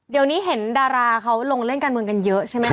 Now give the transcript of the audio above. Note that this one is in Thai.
เดี๋ยวนี้เห็นดาราเขาลงเล่นการเมืองกันเยอะใช่ไหมค